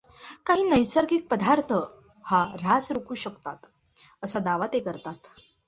काही नैसर्गिक पदार्थ हा ऱ्हास रोखू शकतात, असा दावा ते करतात.